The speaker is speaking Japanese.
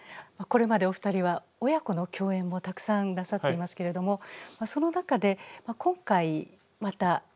これまでお二人は親子の共演もたくさんなさっていますけれどもその中で今回また披露公演で演じられます